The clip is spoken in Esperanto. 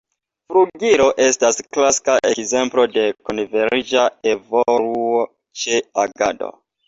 Flugilo estas klasika ekzemplo de konverĝa evoluo ĉe agado.